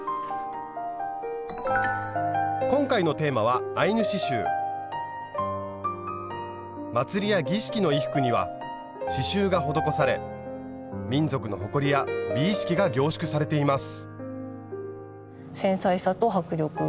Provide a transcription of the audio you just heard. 今回のテーマは祭りや儀式の衣服には刺しゅうが施され民族の誇りや美意識が凝縮されています。